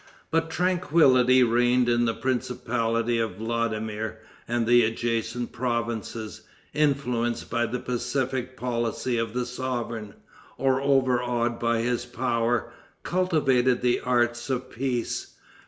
But tranquillity reigned in the principality of Vladimir; and the adjacent provinces, influenced by the pacific policy of the sovereign, or overawed by his power, cultivated the arts of peace.